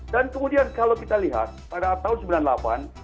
dan kemudian kalau kita lihat pada tahun seribu sembilan ratus sembilan puluh delapan